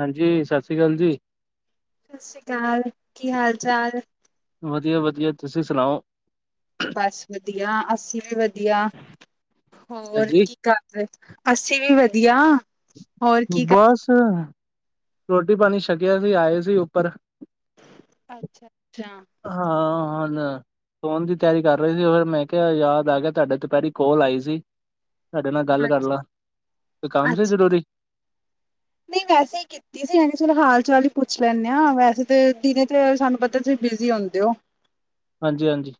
ਹਾਂਜੀ ਸਤਿ ਸ੍ਰੀ ਅਕਾਲ ਜੀ ਸਤਿ ਸ਼੍ਰੀ ਅਕਾਲ ਕੀ ਹਾਲ ਚਾਲ ਵਦੀਆ ਵਦੀਆ ਤੁਸੀਂ ਸੁਨਾਓ ਬਸ ਵਦੀਆ ਅਸੀ ਵੀ ਵਦੀਆ ਹੋਰ ਹਾਂਜੀ, ਕੀ ਕਰ ਰਹੇ ਅਸੀਂ ਵੀ ਵਦੀਆ ਬਸ ਰੋਟੀ ਪਾਨੀ ਛਕਿਆ ਸੀ, ਆਏ ਸੀ ਉਪਰ ਅੱਛਾ-ਅੱਛਾ ਹਾਂ ਹੂਨ ਸੌਨ ਦੀ ਤਿਆਰੀ ਕਰ ਰਹੇ ਸੀ, ਫਿਰ ਮੈਂ ਕਿਹਾ ਯਾਦ ਆ ਗੇਆ ਤੁਹਾਡਾ ਦੁਪਹਿਰੀ ਕੋਲ ਆਈ ਸੀ ਤੁਹਾਡੇ ਨਾਲ ਗੱਲ ਕਰ ਅੱਛਾ ਲਾ, ਕੋਈ ਕੰਮ ਸੀ ਅੱਛਾ ਜ਼ਰੂਰੀ ਨਹੀਂ ਵੈਸੇ ਈ ਕੀ ਕੀਤੀ ਸੀ। ਮੈਂ ਕਿਹਾ ਚਲੋ ਹਾਲ- ਚਾਲ ਹੀ ਪੁੱਛ ਲੈਂਨੇ ਆਂ, ਵੈਸੇ ਤਾਂ ਦਿਨੇ ਤੇ ਸਾਨੂੰ ਪਤਾ ਤੁਸੀਂ ਬਿਜ਼ੀ ਹੁੰਦੇ ਔ ਹਾਂਜੀ ਹਾਂਜੀ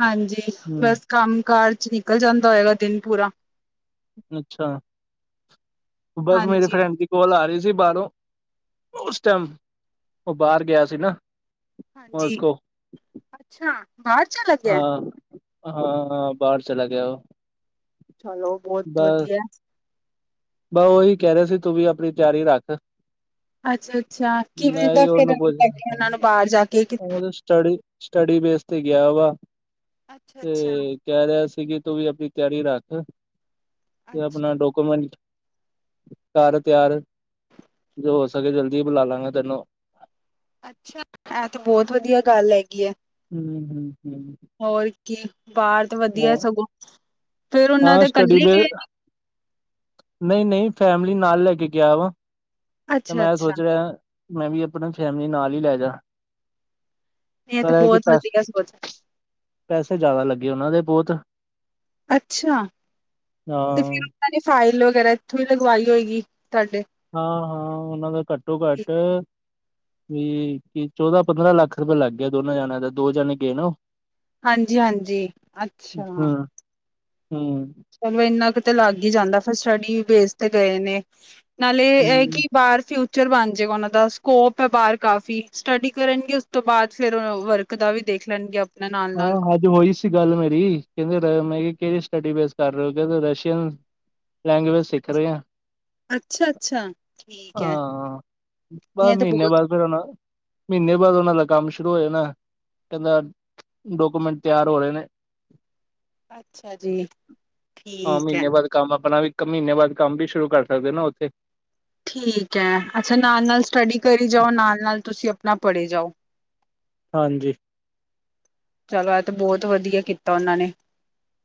ਹਾਂਜੀ ਬਸ ਕੰਮ-ਕਾਰ 'ਚ ਨਿਕਲ ਜਾਂਦਾ ਹੋਏਗਾ ਦਿਨ ਪੂਰਾ ਅੱਛਾ, ਬਸ ਮੇਰੇ ਹਾਂਜੀ ਫਰੈਂਡ ਦੀ ਕੋਲ ਆ ਰਹੀ ਸੀ ਬਾਹਰੋਂ ਉਸ ਟਾਈਮ, ਉਹ ਬਾਹਰ ਗੇਆ ਸੀ ਨਾ ਉਸ ਹਾਂਜੀ, ਕੋ ਅੱਛਾ ਬਾਹਰ ਚੱਲਾ ਅ ਅ ਅ ਬਾਹਰ ਚਲਾ ਗਿਆ ਉਹ ਚਲੋ ਬਹੁਤ ਵਦੀਆ ਬਅ ਉਹੀ ਕਹਿ ਰਹਿ ਸੀ ਤੂੰ ਵੀ ਆਪਣੀ ਤਿਆਰੀ ਰੱਖ ਅੱਛਾ ਅੱਛਾ ਕਿਵੇਂ ਮੈਂ ਦਾ ਵੀ ਫਿਰ ਉਹਨੂੰ ਪੁੱਛ ਲੱਗੇ ਰਿਹਾ ਉਹਨਾਂ ਨੂੰ ਬਾਹਰ ਜਾ ਕੇ ਉਹਦੀ ਸਟੱਡੀ ਸਟੱਡੀ ਬੇਸ ਤੇ ਗੇਆ ਵਾ, ਅੱਛਾ ਅੱਛਾ ਤੇ ਕਹਿ ਰੇਆ ਸੀ ਕਿ ਤੂੰ ਵੀ ਆਪਨੀ ਤਿਆਰੀ ਰੱਖ ਅੱਛਾ ਤੇ ਆਪਨਾ ਡੋਕੂਮੈਂਟ ਕਰ ਤਿਆਰ ਹੋ ਸਕੇ ਜਲਦੀ ਬੁਲਾ ਲਾਂਗਾ ਤੈਨੂੰ ਅੱਛਾ ਐ ਤੇ ਬਹੁਤ ਵਧੀਆ ਗੱਲ ਹੈਗੀ ਏ ਹੰ ਹੰ ਹੰ ਹੋਰ ਕੀ ਬਾਹਰ ਤੇ ਵਦੀਆ ਸਗੋਂ ਫੇਰ ਉਹਨਾਂ ਹਾਂ ਦੇ ਇਕੱਲੇ ਗਏ ਸੀ ਨਹੀਂ-ਨਹੀਂ ਫੈਮਿਲੀ ਨਾਲ ਲੈ ਕੇ ਗੇਆ ਵਾ ਤੇ ਅੱਛਾ ਮੈਂ ਅੱਛਾ ਸੋਚ ਰਿਆ ਮੈਂ ਵੀ ਅਪਣਾ ਫੈਮਿਲੀ ਨਾਲ ਹੀ ਲੈ ਜਾ ਇਹ ਤਾਂ ਪਤਾ ਏ ਕਿ ਬਹੁਤ ਵਧੀਆ ਪੈਸੇ ਸੋਚ ਪੈਸੇ ਜ਼ਿਆਦਾ ਲੱਗੇ ਉਹਨਾਂ ਦੇ ਬਹੁਤ ਅੱਛਾ! ਹਾਂ ਤੇ ਫਿਰ ਉਹਨਾਂ ਨੇ ਫਾਈਲ ਵਗੈਰਾ ਇੱਥੋਂ ਹੀ ਲਗਵਾਈ ਹੋਏਗੀ ਤੁਹਾਡੇ ਹਾਂ-ਹਾਂ ਉਹਨਾਂ ਦਾ ਘੱਟੋ-ਘੱਟ ਵੀ ਕੀ ਚੌਦਾਂ-ਪੰਦਰਾਂ ਲੱਖ ਰੁਪਿਆ ਲੱਗ ਗਿਆ ਦੋਨਾਂ ਜਾਣਿਆਂ ਦਾ ਦੋ ਜਨੇ ਗਏ ਨਾ ਉਹ ਹਾਂਜੀ-ਹਾਂਜੀ ਅੱਛਾ ਹੰ ਚਲੋ ਇੰਨਾ ਕੁ ਤੇ ਲੱਗ ਹੀ ਜਾਂਦਾ, ਫਿਰ ਸਟੱਡੀ ਬੇਸ ਤੇ ਗਏ ਨੇ। ਨਾਲੇ, ਇਹ ਹਮ ਕਿ ਬਾਹਰ ਫ ਫਿਊਚਰ ਬਣ ਜਾਵੇਗਾ ਉਹਨਾਂ ਦਾ, ਸਕੋਪ ਹੈ ਬਾਹਰ ਕਾਫੀ, ਸਟੱਡੀ ਕਰਨਗੇ ਉਸ ਤੋਂ ਬਾਅਦ, ਫਿਰ ਉਹ ਵਰਕ ਦਾ ਵੀ ਦੇਖ ਲੈਣਗੇ। ਆਪਣਾ ਨਾਲ ਨਾਲ ਹਾਂ, ਅੱਜ ਹੋਈ ਸੀ ਗੱਲ ਮੇਰੀ ਕਹਿੰਦੇ, ਮੈਂ ਕਿਹਾ ਕਿਹੜੀ ਸਟੱਡੀ ਬੇਸ ਕਰ ਰਹੇ ਹੋ, ਕਹਿੰਦੇ ਰਸ਼ੀਅਨ। ਲੈਂਗੁਏਜ ਸਿੱਖ ਰਹੇ ਹਾਂ। ਅੱਛਾ ਅੱਛਾ ਠੀਕ ਹੈ ਹਾਂ, ਬਸ ਇਹ ਤਾਂ ਮਹੀਨੇ ਬਹੁਤ ਬਾਅਦ ਫਿਰ ਹੁਣ ਮਹੀਨੇ ਬਾਅਦ, ਉਹਨਾਂ ਦਾ ਕੰਮ ਸ਼ੁਰੂ ਹੋ ਜਾਣਾ। ਕਹਿੰਦਾ ਡਾਕੂਮੈਂਟ ਤਿਆਰ ਹੋ ਰਹੇ ਨੇ। ਅੱਛਾ ਜੀ, ਹਾਂ ਠੀਕ ਹੈ। ਮਹੀਨੇ ਬਾਅਦ ਕੰਮ ਆਪਣਾ ਵੀ, ਇੱਕ ਮਹੀਨੇ ਬਾਅਦ ਕੰਮ ਵੀ ਸ਼ੁਰੂ ਕਰ ਸਕਦੇ ਨਾ ਉੱਥੇ। ਠੀਕ ਹੈ, ਅੱਛਾ ਨਾਲ-ਨਾਲ ਸਟੱਡੀ ਕਰੀ ਜਾਓ, ਨਾਲ- ਨਾਲ ਤੁਸੀਂ ਆਪਣਾ ਪੜ੍ਹੀ ਜਾਓ। ਹਾਂਜੀ। ਚਲੋ, ਇਹ 'ਤੇ ਬਹੁਤ ਵਧੀਆ ਕੀਤਾ ਉਹਨਾਂ ਨੇ।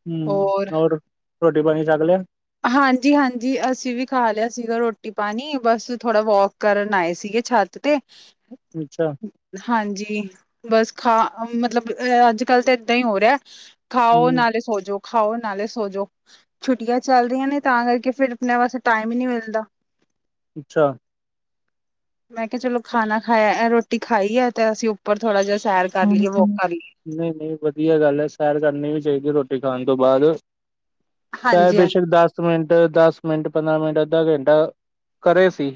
ਹਮ, ਹੋਰ ਰੋਟੀ-ਪਾਣੀ ਛੱਕ ਲਿਆ? ਹਾਂਜੀ-ਹਾਂਜੀ, ਅਸੀਂ ਵੀ ਖਾ ਲਿਆ ਸੀਗਾ ਰੋਟੀ-ਪਾਣੀ, ਬਸ ਥੋੜ੍ਹਾ ਵੋਕ ਕਰਨ ਆਏ ਸੀਗੇ, ਛੱਤ 'ਤੇ। ਅੱਛਾ। ਹਾਂਜੀ, ਬਸ ਖਾ ਮਤਲਬ ਅੱਜ-ਕੱਲ੍ਹ ਤਾਂ ਏਦਾਂ ਹੀ ਹੋ ਰਿਹਾ ਖਾਓ ਹਮ ਨਾਲੇ ਸੌਜੋ, ਖਾਓ ਨਾਲੇ ਸੌਜੋ। ਛੁੱਟੀਆਂ ਚੱਲ ਰਹੀਆਂ ਨੇ, ਤਾਂ ਕਰਕੇ ਫਿਰ ਆਪਣੇ ਵਾਸਤੇ ਟਾਈਮ ਹੀ ਨਹੀਂ ਮਿਲਦਾ। ਅੱਛਾ। ਮੈਂ ਕਿਹਾ ਚਲੋ ਖਾਣਾ ਖਾਇਆ, ਰੋਟੀ ਖਾਈ ਹੈ ਤੇ ਅਸੀਂ ਉੱਪਰ ਥੋੜ੍ਹਾ ਜਿਹਾ ਸੈਰ ਕਰ ਲਈਏ ਵੋਕ ਕਰ ਲਈਏ ਨਹੀਂ-ਨਹੀਂ ਵਧੀਆ ਗੱਲ ਹੈ, ਸੈਰ ਕਰਨੀ ਵੀ ਚਾਹੀਦੀ ਰੋਟੀ ਖਾਣ ਤੋਂ ਬਾਅਦ। ਚਾਹੇ ਹਾਂਜੀ ਹਾਂਜੀ ਬੇਸ਼ੱਕ ਦਸ ਮਿੰਟ, ਦਸ ਮਿੰਟ ਪੰਦਰਾਂ ਮਿੰਟ, ਅੱਧਾ ਘੰਟਾ ਕਰੇ ਸਹੀ।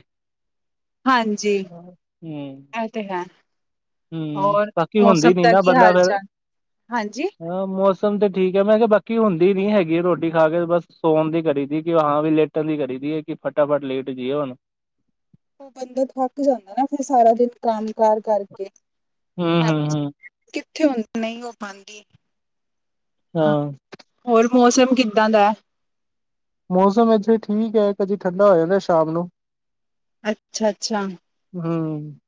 ਹਾਂਜੀ, ਹੂੰ ਇਹ 'ਤੇ ਹੈ। ਹੂੰ ਹੋਰ ਬਾਕੀ ਹੁੰਦੀ ਮੌਸਮ ਨੀ ਦਾ ਨਾ ਕੀ ਬੰਦਾ ਫੇਰ ਹਾਲ-ਚਾਲ, ਹਾਂਜੀ? ਹਾਂ, ਮੌਸਮ ਤੇ ਠੀਕ ਹੈ। ਮੈਂ ਕਿਹਾ ਬਾਕੀ ਹੁੰਦੀ ਨੀ ਹੈਗੀ, ਰੋਟੀ ਖਾ ਕੇ ਬਸ ਸੋਨ ਦੀ ਕਰੀ ਦੀ, ਕਿ ਹਾਂ ਵੀ ਲੇਟ ਦੀ ਕਰੀਦੀ ਏ, ਕਿ ਫਟਾਫਟ ਲੇਟ ਜੀਏ ਹੁਣ। ਬੰਦਾ ਥੱਕ ਜਾਂਦਾ ਨਾ ਫਿਰ, ਸਾਰਾ ਦਿਨ ਕੰਮ-ਕਾਰ ਕਰਕੇ, ਹੂੰ ਹੂੰ ਥੱਕ ਹੂੰ ਕਿੱਥੇ ਹੁੰਦੀ, ਨਹੀਂ ਹੋ ਪਾਉਂਦੀ। ਹਾਂ। ਹੋਰ ਮੌਸਮ ਕਿੱਦਾਂ ਦੈ? ਮੌਸਮ ਇੱਥੇ ਠੀਕ ਹੈ, ਕਦੇ ਠੰਡਾ ਹੋ ਜਾਂਦਾ ਸ਼ਾਮ ਨੂੰ। ਅੱਛਾ-ਅੱਛਾ। ਹਮ।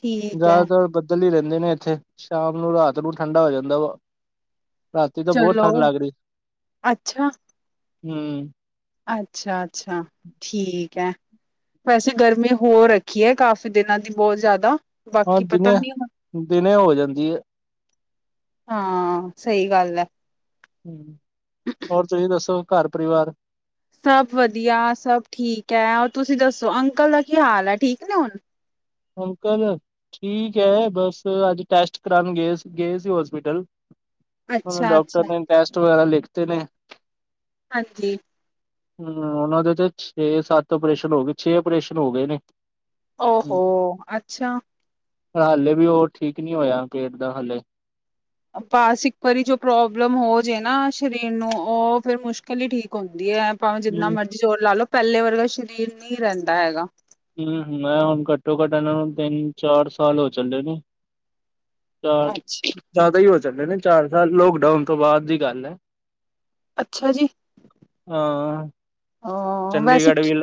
ਠੀਕ ਐ। ਜ਼ਿਆਦਾਤਰ ਬੱਦਲ ਹੀ ਰਹਿੰਦੇ ਨੇ ਇੱਥੇ, ਸ਼ਾਮ ਨੂੰ-ਰਾਤ ਨੂੰ ਠੰਡਾ ਹੋ ਜਾਂਦਾ ਵਾ। ਰਾਤੀਂ ਤਾਂ ਬਹੁਤ ਚਲੋ ਠੰਢ ਲੱਗ ਰਹੀ, ਅੱਛਾ, ਹਮ। ਅੱਛਾ-ਅੱਛਾ, ਠੀਕ ਹੈ। ਵੈਸੇ ਗਰਮੀ ਹੋ ਰੱਖੀ ਹੈ, ਕਾਫੀ ਦਿਨਾਂ ਦੀ ਬਹੁਤ ਜ਼ਿਆਦਾ। ਹਾਂ ਬਾਕੀ ਪਤਾ ਦਿਨੇ, ਨੀ ਹੁਣ ਦਿਨੇ ਹੋ ਜਾਂਦੀ ਹੈ। ਹਾਂ, ਸਹੀ ਗੱਲ ਹੈ। ਹਮ, ਹੋਰ ਤੁਸੀਂ ਦੱਸੋ ਘਰ-ਪਰਿਵਾਰ? ਸਭ ਵਧੀਆ, ਸਭ ਠੀਕ ਹੈ। ਹੋਰ ਤੁਸੀਂ ਦੱਸੋ, ਅੰਕਲ ਦਾ ਕੀ ਹਾਲ ਹੈ ਠੀਕ ਨੇ ਹੁਣ? ਅੰਕਲ ਠੀਕ ਐ। ਬਸ ਅੱਜ ਟੈਸਟ ਕਰਾਣ ਗਏ, ਗਏ ਸੀ ਹੋਸਪੀਟਲ। ਹੁਣ ਅੱਛਾ-ਅੱਛਾ ਡਾਕਟਰ ਨੇ ਟੈਸਟ ਵਗੈਰਾ ਲਿਖਤੇ ਨੇ। ਹਾਂਜੀ। ਹਮ ਉਹਨਾਂ ਦੇ ਤਾਂ ਛੇ-ਸੱਤ ਓਪਰੇਸ਼ਨ ਹੋ ਗਏ, ਛੇ ਓਪਰੇਸ਼ਨ ਹੋ ਗਏ ਨੇ। ਹਮ ਓਹੋੋ! ਅੱਛਾ। ਹਾਲੇ ਵੀ ਉਹ ਠੀਕ ਨੀ ਹੋਇਆ, ਪੇਟ ਦਾ ਹਾਲੇ। ਬੱਸ ਇੱਕ ਵਾਰੀ ਜੋ ਪ੍ਰੋਬਲਮ ਹੋ ਜੇ ਨਾ ਸਰੀਰ ਨੂੰ, ਉਹ ਫਿਰ ਮੁਸ਼ਕਿਲ ਈ ਠੀਕ ਹੁੰਦੀ ਐ। ਭਾਵੇਂ ਜਿਤਨਾ ਹਮ ਮਰਜ਼ੀ ਜ਼ੋਰ ਲਾ ਲਓ, ਪਹਿਲੇ ਵਰਗਾ ਸਰੀਰ ਨਹੀਂ ਰਹਿੰਦਾ ਹੈਗਾ। ਮੈਂ ਹੁਣ ਘੱਟੋ-ਘੱਟ ਇਹਨਾਂ ਨੂੰ ਤਿੰਨ-ਚਾਰ ਸਾਲ ਹੋ ਚੱਲੇ ਨੇ ਚਾਰ ਅੱਛ ਜ਼ਿਆਦਾ ਈ ਹੋ ਚੱਲੇ ਨੇ, ਚਾਰ ਸਾਲ ਲੋਕਡਾਊਨ ਤੋਂ ਬਾਅਦ ਦੀ ਗੱਲ ਐ। ਅੱਛਾ ਜੀ ਹਾਂ। ਅ ਵੈਸੇ ਚੰਡੀਗੜ੍ਹ ਵੀ,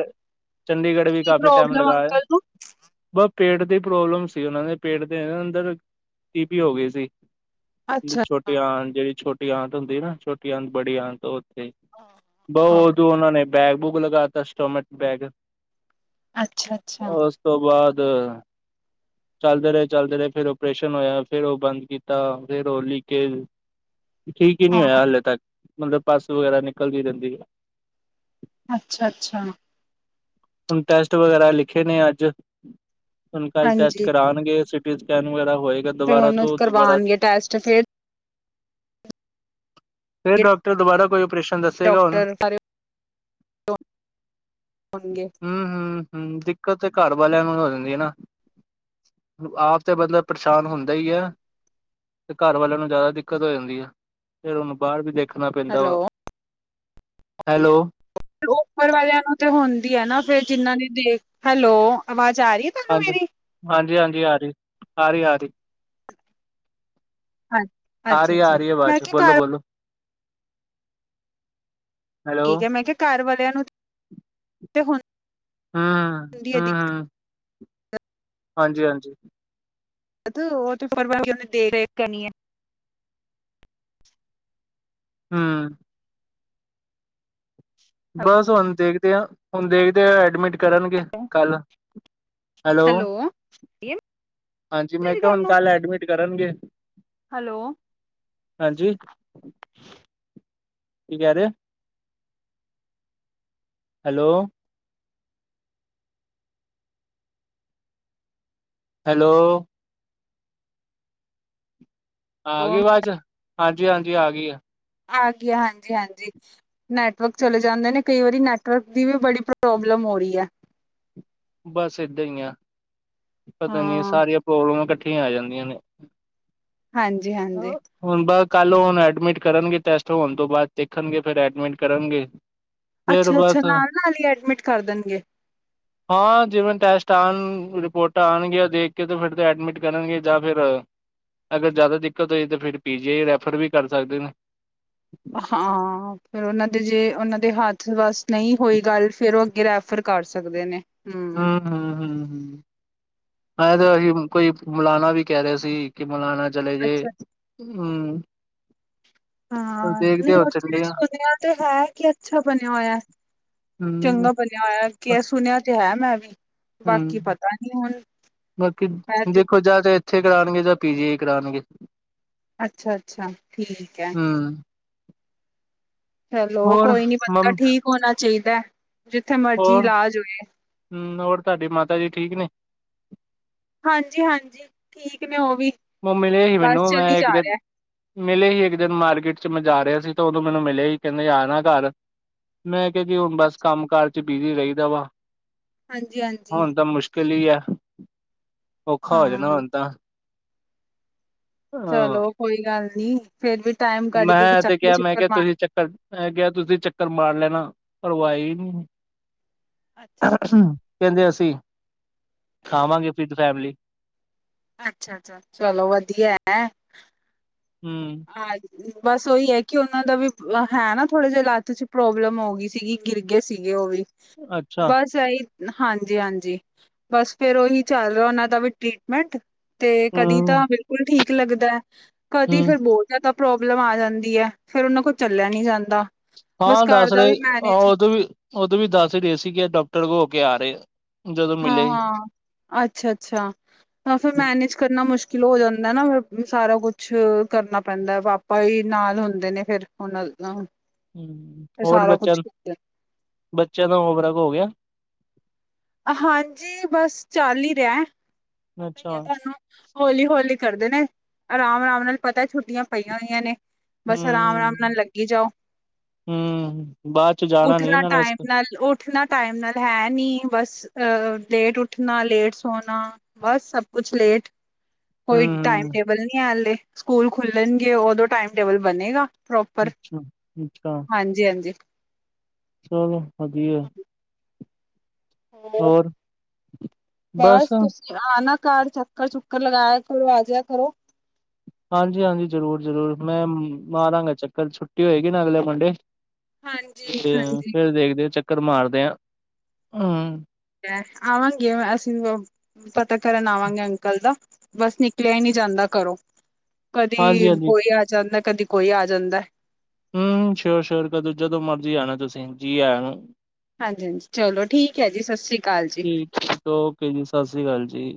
ਚੰਡੀਗੜ੍ਹ ਵੀ ਕੀ ਕਾਫ਼ੀ ਟਾਈਮ ਪ੍ਰੋਬਲਮ ਲਗਾ ਆਏ। ਅੰਕਲ ਨੂੰ ਬਸ ਪੇਟ ਦੀ ਪ੍ਰੋਬਲਮ ਸੀ ਉਹਨਾਂ ਦੇ, ਪੇਟ ਦੇ ਅੰਦਰ [unintelligible] ਹੋ ਗਈ ਸੀ। ਅੱਛਾ। ਛੋਟੀ ਆਂਤ ਜਿਹੜੀ ਛੋਟੀ ਆਂਤ ਹੁੰਦੀ ਨਾ, ਛੋਟੀ ਆਂਤ। ਬੜੀ ਆਂਤ [unintelligible] ਬ ਹਾਂ, ਉਦੋਂ ਉਹਨਾਂ ਨੇ ਬੈਗ ਬੂਗ ਲਗਾ ਤਾ ਸਟੋਮਕ ਬੈਗ। ਅੱਛਾ-ਅੱਛਾ। ਉਸ ਤੋਂ ਬਾਅਦ ਚਲਦੇ ਰਹੇ ਚਲਦੇ ਰਹੇ। ਫੇਰ ਓਪਰੇਸ਼ਨ ਹੋਇਆ। ਫੇਰ ਉਹ ਬੰਦ ਕੀਤਾ, ਫੇਰ ਉਹ ਲੀਕੇਜ [inaudible] ਠੀਕ ਹੀ ਨੀ ਹੋਇਆ ਹਾਂ ਹਾਲੇ ਤੱਕ ਮਤਲਬ ਪਸ ਵਗੈਰਾ ਨਿਕਲਦੀ ਰਹਿੰਦੀ। ਅੱਛਾ-ਅੱਛਾ। ਹੁਣ ਟੈਸਟ ਵਗੈਰਾ ਲਿਖੇ ਨੇ ਅੱਜ। ਹੁਣ ਕੱਲ ਟੈਸਟ ਹਾਂਜੀ ਕਰਾਣਗੇ। ਫੇਰ ਸਕੈਨ ਵਗੈਰਾ ਹੋਏਗਾ। ਫੇਰ ਦੁਬਾਰਾ ਉਹਨੂੰ ਤੋਂ ਦੁਬਾਰਾ ਕਰਵਾਣਗੇ ਟੈਸਟ ਫੇਰ ਫੇਰ ਡਾਕਟਰ ਦੁਬਾਰਾ ਕੋਈ ਓਪਰੇਸ਼ਨ ਦ ਡਾਕਟਰ ਸ ਹੋਣਗੇ। ਹਮ-ਹਮ-ਹਮ। ਦਿੱਕਤ ਤੇ ਘਰ ਵਾਲਿਆਂ ਨੂੰ ਹੋ ਜਾਂਦੀ ਐ ਨਾ। ਆਪ ਤੇ ਬੰਦਾ ਪਰੇਸ਼ਾਨ ਹੁੰਦਾ ਈ ਆ। ਤੇ ਘਰ ਵਾਲਿਆਂ ਨੂੰ ਜ਼ਿਆਦਾ ਦਿੱਕਤ ਹੋ ਜਾਂਦੀ ਐ ਫਿਰ ਉਹਨੂੰ ਬਾਹਰ ਵੀ ਦੇਖਣਾ ਪੈਂਦਾ ਹੈਲੋ ਵਾ। ਹੈਲੋ। ਉਪਰ ਵਾਲਿਆਂ ਨੂੰ ਤੇ ਹੁੰਦੀ ਐ ਨਾ ਫੇਰ ਜਿਹਨਾਂ ਨੇ ਦੇਖ ਹੈਲੋ। ਆਵਾਜ਼ ਆ ਰਹੀ ਤੁਹਾਨੂੰ ਮੇਰੀ ਹਾਂਜੀ-ਹਾਂਜੀ-ਹਾਂਜੀ। ਆ ਰਹੀ ਹ, ਰਹੀ ਹ ਰਹੀ। ਆ ਰਹੀ ਆ ਅੱ-ਅੱਛਾ-ਅੱਛਾ। ਰਹੀ ਹੈ ਮੈਂ ਆਵਾਜ਼ ਬੋਲੋ ਕੇਆ ਬੋਲੋ ਹੈਲੋ ਠੀਕ ਐ। ਮੈਂ ਕਿਹਾ ਘਰ ਵਾਲਿਆਂ ਨੂੰ ਤੇ ਹਮ ਹੁੰਦੀ ਐ ਦਿਕਤ। ਹਾਂਜੀ-ਹਾਂਜੀ। ਤੇ [unintelligible] ਹਾਂ। ਬਸ ਹੁਣ ਦੇਖਦੇ ਆ। ਹੁਣ ਦੇਖਦੇ ਆ, ਐਡਮਿਟ ਕਰਨਗੇ ਕੱਲ। ਹੈਲੋ। ਹਾਂਜੀ ਮੈਂ ਮੇਰੀ ਕੇਆ ਹੁਣ ਤੁਹਾਨੂੰ ਕੱਲ ਐਡਮਿਟ ਕਰਨਗੇ। ਹੈਲੋ। ਹਾਂਜੀ। ਕੀ ਕਹਿ ਰਹੇ ਹੈਲੋ। ਹੈਲੋ। ਆ ਗਈ ਆਵਾਜ। ਹਾਂਜੀ-ਹਾਂਜੀ। ਆ ਗਈ ਆ। ਆ ਗਿਆ, ਹਾਂਜੀ- ਹਾਂਜੀ ਨੈਟਵਰਕ ਚਲੇ ਜਾਂਦੇ ਨੇ, ਕਈ ਵਾਰੀ ਨੈਟਵਰਕ ਦੀ ਵੀ ਬੜੀ ਪ੍ਰੋਬਲਮ ਹੋ ਰਹੀ ਹੈ। ਬਸ ਇੱਦਾਂ ਹੀ ਆ, ਪਤਾ ਨਹੀਂੀ ਹਾਂ ਸਾਰੀਆਂ ਪ੍ਰੋਬਲਮਾਂ, ਇਕੱਠੀਆਂ ਆ ਜਾਂਦੀਆਂ ਨੇ ਹਾਂਜੀ -ਹਾਂਜੀ ਹੁਣ, ਬਸ ਕੱਲ ਹੁਣ ਐਡਮਿਟ ਕਰਨਗੇ, ਟੈਸਟ ਹੋਣ ਤੋਂ ਬਾਅਦ ਦੇਖਣਗੇ, ਫਿਰ ਐਡਮਿਟ ਕਰਨਗੇ। ਫਿਰ ਅੱਛਾ -ਅੱਛਾ ਬਸ ਨਾਲ ਨਾਲ ਹੀ, ਐਡਮਿਟ ਕਰ ਦੇਣਗੇ। ਹਾਂ, ਜਿਵੇਂ ਟੈਸਟ ਆਉਣ, ਰਿਪੋਰਟਾਂ ਆਉਣਗੀਆਂ, ਦੇਖ ਕੇ ਤੇ ਫਿਰ ਤਾਂ ਐਡਮਿਟ ਕਰਨਗੇ ਜਾਂ ਫਿਰ ਅਗਰ ਜ਼ਿਆਦਾ ਦਿੱਕਤ ਹੋਈ ਤਾਂ, ਫਿਰ ਪੀ ਜੀ ਆਈ ਰੈਫਰ ਵੀ ਕਰ ਸਕਦੇ ਨੇ ਹਾਂ, ਫਿਰ ਉਹਨਾਂ ਦੇ ਜੇ ਉਹਨਾਂ ਦੇ ਹੱਥ ਬਸ ਨਹੀਂ ਹੋਈ ਗੱਲ, ਫੇਰ ਉਹ ਅੱਗੇ ਰੈ ਫਰ ਕਰ ਸਕਦੇ ਨੇ ਹਮ- ਹਮ- ਹਮ ਹ ਠੀਕ ਤਾਂ ਕੋਈ ਮਲਾਣਾ ਵੀ ਕਹਿ ਰਿਹੇ ਸੀ। ਕਿ, ਮਨਾਨਾ ਚਲੇ ਜਏ ਅੱਛਾ ਹਮ ਹਾਂ, ਨਹੀਂ ਉੱਥੇ ਵੀ ਸੁਣਿਆ ਤੇ ਹੈ ਕਿ, ਅੱਛਾ ਬਣਿਆ ਹੋਇਆ। ਹੂੰ ਚੰਗਾ ਬਣਿਆ ਹੋਇਆ ਕਿ, ਸੁਣਿਆ ਤੇ ਹੈ ਮੈਂ ਵੀ ਬਾਕੀ ਹੂੰ ਪਤਾ ਨੀ ਹੁਣ। ਬਾਕੀ ਮੈਂ ਤੇ ਦੇਖੋ ਜਾਂ ਤਾਂ ਇੱਥੇ, ਕਰਾਉਣਗੇ ਜਾਂ ਪੀ ਜੀ ਈ ਕਰਾਉਣਗੇ। ਅੱਛਾ- ਅੱਛਾ ਠੀਕ ਹੈ। ਹੂੰ ਚਲੋ, ਹੋਰ ਕੋਈ ਨੀ ਬੰਦਾ ਮੰਮ ਠੀਕ ਹੋਣਾ ਚਾਹੀਦਾ, ਜਿੱਥੇ ਮਰਜ਼ੀ ਇਲਾਜ ਹੋਏ। ਹਮ, ਹੋਰ ਤੁਹਾਡੇ ਮਾਤਾ ਜੀ ਠੀਕ ਨੇ ਹਾਂਜੀ -ਹਾਂਜੀ ਠੀਕ ਨੇ ਉਹ ਵੀ ਮੰਮੀ ਮਿਲੇ ਬਸ ਮੈਨੂੰ, ਚਲੀ ਮੈਂ ਇੱਕ ਜਾ ਦਿਨ ਰਿਹਾ ਮਿਲੇ ਹੀ ਇੱਕ ਦਿਨ ਮਾਰਕੀਟ ਚ, ਮੈਂ, ਜਾ ਰਿਹਾ ਸੀ ਤੇ ਉਦੋਂ ਮੈਨੂੰ ਮਿਲੇ ਸੀ, ਕਹਿੰਦੇ ਆ ਨਾ ਘਰ ਮੈਂ, ਕਿਹਾ ਜੀ ਹੁਣ ਬਸ ਕੰਮ ਕਾਰ ਚ, ਬਿਜੀੀ ਰਹੀਦਾ ਵਾ ਹਾਂਜੀ ਹਾਂਜੀ ਹੁਣ, ਤਾਂ ਮੁਸ਼ਕਿਲ ਹੀ ਆ, ਔਖਾ ਹੋ ਜਾਣਾ ਹਾਂ ਹੁਣ ਤਾਂ ਹਾਂ। ਚਲੋ, ਕੋਈ ਗੱਲ ਨੀ, ਫੇਰ ਵੀ ਟਾਈਮ ਕੱਢ ਕੇ ਮੈਂ ਤੇ ਚੱਕਰ ਕਿਹਾ ਮੈਂ ਚੱਕਰ ਕਿਹਾ ਮਾਰ ਤੁਸੀਂ ਮੈਂ ਕਿਹਾ, ਤੁਸੀਂ ਚੱਕਰ ਮਾਰ ਲੈਣਾ, ਪਰ ਵਾਈ ਨਹੀਂ ਅੱਛਾ ਅੱਛਾ ਕਹਿੰਦੇ, ਅਸੀਂ ਖਾਵਾਂਗੇ, ਫੀਤ ਫੈਮਿਲੀ ਅੱਛਾ -ਅੱਛਾ ਚਲੋ, ਵਧੀਆ ਹੈਂ। ਹਮ ਹਾਂਜੀ ਬਸ ਉਹੀ ਹੈ ਕਿ, ਉਹਨਾਂ ਦਾ ਵੀ ਹੈ ਨਾ ਥੋੜੇ ਜਿਹੇ ਲੱਥ ਚ ਪ੍ਰੋਬਲਮ ਹੋ ਗਈ ਸੀਗੀ, ਗਿਰ ਗਏ ਸੀਗੇ, ਉਹ ਵੀ ਅੱਛਾ ਬਸ ਆਈ ਹਾਂਜੀ -ਹਾਂਜੀ ਬਸ ਫੇਿਰ, ਉਹੀ ਚੱਲ ਰਿਹਾ ਉਹਨਾਂ ਦਾ ਵੀ ਟਰੀਟਮੈਂਟ ਤੇ ਕਦੀ ਹੂੰ, ਤਾਂ, ਬਿਲਕੁਲ ਠੀਕ ਲੱਗਦਾ ਕਦੀ। ਹੂੰ ਫੇਰ ਬਹੁਤ ਜਿਆਦਾ ਪ੍ਰੋਬਲਮ ਆ ਜਾਂਦੀ ਹੈ, ਫੇਰ ਉਹਨਾਂ ਕੋਲ ਚੱਲਿਆ ਨੀ ਜਾਂਦਾ। ਬਸ ਹਾਂ, ਘਰ ਦੱਸ ਦਾ ਰਹੇ, ਵੀ ਮੈਨੇਜ ਉਦੋਂ ਵੀ ਉਦੋਂ ਵੀ ਦੱਸ ਰਹੇ ਸੀਗੇ, ਡਾਕਟਰ ਹੋ ਕੇ ਆ ਰਹੇ। ਜਦੋਂ ਹਾਂ ਮਿਲੇ -ਹਾਂ, ਅੱਛਾ -ਅੱਛਾ ਤਾਂ ਫਿਰ, ਹੂੰ, ਮੈਨੇਜ ਕਰਨਾ ਮੁਸ਼ਕਿਲ ਹੋ ਜਾਂਦਾ ਨਾ, ਫ ਸਾਰਾ ਕੁਛ ਕਰਨਾ ਪੈਂਦਾ ਵਾਪ ਭਾਈ ਨਾਲ ਹੁੰਦੇ ਨੇ, ਫੇਿਰ ਹੁਣ। ਹਮ ਹੋਰ ਬੱਚਿਆਂ, ਬੱਚਿਆਂ ਦਾ ਹੋ ਬਰਕ ਹੋ ਗਿਆ। ਹਾਂਜੀ, ਬਸ ਚਾਲ ਹੀ ਰਿਹਾ, ਪਤਾ ਅੱਛਾ, ਹੀ ਹੈ ਤੁਹਾਨੂੰ ਹੋੌਲੀ -ਹੌਲੀ ਕਰਦੇ ਨੇ, ਆਰਾਮ -ਆਰਾਮ ਨਾਲ ਪਤਾ ਛੁੱਟੀਆਂ ਪਈਆਂ ਹੋਈਆਂ ਨੇ ਬਸ, ਆਰਾਮ -ਆਰਾਮ ਨਾਲ ਲੱਗੀ ਜਾਓ। ਹਮ, ਬਾਅਦ ਚ ਜਾਣਾ ਨੀ ਇਹਨਾਂ ਨੇ ਇਨਾ, ਟਾਈਮ ਨਾਲ ਹੈ ਨੀ ਬਸ ਅ ਲੇਟ ਉੱਠਣਾ, ਲੇਟ ਸੋਣਾ, ਬਸ ਸਭ ਕੁਛ ਲੇਟ ਕੋਈ ਟਾਈਮ ਹੂੰ, ਟੇਬਲ ਨੀ ਆ ਹਲੇ ਸਕੂਲ ਖੁੱਲਣਗੇ ਉਦੋਂ ਟਾਈਮ ਟੇਬਲ ਬਣੇਗਾ। ਹੂੰ, ਪ੍ਰੋਪਰ, ਅੱਛਾ। ਅੱਛਾ, ਹਾਂਜੀ-ਹਾਂਜੀ। ਚਲੋ, ਵਧੀਆ। ਹੋਰ? ਬਸ ਤੁ ਆ ਨਾ ਘਰ ਚੱਕਰ-ਚੁੱਕਰ ਲਗਾਇਆ ਕਰੋ ਆਜਿਆ ਕਰੋ। ਹਾਂਜੀ-ਹਾਂਜੀ, ਜ਼ਰੂਰ-ਜ਼ਰੂਰ ਮੈਂ ਮਾਰਾਂਗਾ ਚੱਕਰ ਛੁੱਟੀ ਹੋਏਗੀ ਨਾ ਅਗਲੇ ਮੰਡੇ। ਹਾਂਜੀ ਤੇ ਹਾਂਜੀ ਫਿਰ ਦੇਖਦੇ ਚੱਕਰ ਮਾਰਦੇ ਆ। ਹਮ [inaudible] ਆਵਾਂਗੇ ਅਸੀਂ ਪਤਾ ਕਰਨ ਆਵਾਂਗੇ ਅੰਕਲ ਦਾ, ਬਸ ਨਿਕਲਿਆ ਹੀ ਨੂੰ ਜਾਂਦਾ ਘਰੋਂ। ਕਦੀ ਹਾਂਜੀ-ਹਾਂਜੀ, ਕੋਈ ਆ ਜਾਂਦਾ, ਕਦੀ ਕੋਈ ਆ ਜਾਂਦਾ। ਹਮ, ਸ਼ੋਰ-ਸ਼ੋਰ ਕਦੋ ਜਦੋਂ ਮਰਜੀ ਆਣਾ ਤੁਸੀਂ ਜੀ ਆ ਨੂੰ। ਹਾਂਜੀ-ਹਾਂਜੀ, ਚਲੋ ਠੀਕ ਹੈ ਜੀ, ਸਤਿ ਸ਼੍ਰੀ ਅਕਾਲ ਜੀ। ਠੀਕ-ਠੀਕ, ਓਕੇ ਜੀ, ਸਤਿ ਸ੍ਰੀ ਅਕਾਲ ਜੀ।